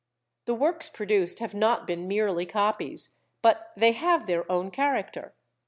The works produced have not been merely copies, but they have their own character.